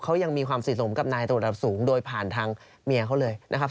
เขายังมีความสิทธิ์สมมุมกับนายตัวสูงโดยผ่านทางเมียเขาเลยนะครับ